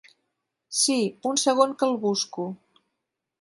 Si, un segon que el busco.